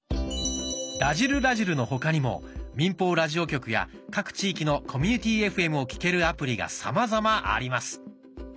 「らじる★らじる」の他にも民放ラジオ局や各地域のコミュニティＦＭを聴けるアプリがさまざまあります。